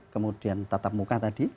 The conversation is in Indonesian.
kemudian tatap muka tadi